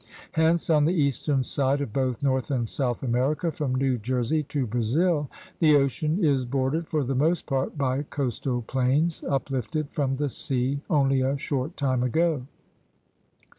Hence on the eastern side of both North and South America from New Jersey to Brazil the ocean is bordered for the most part by coastal plains, uplifted from the sea only a short time ago.